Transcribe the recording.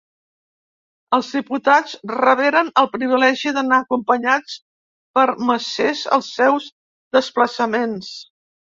Els diputats reberen el privilegi d'anar acompanyats per macers als seus desplaçaments.